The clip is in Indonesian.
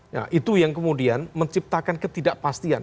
nah itu yang kemudian menciptakan ketidakpastian